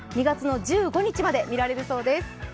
２月１５日まで見られるそうです。